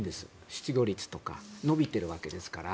失業率とか伸びているわけですから。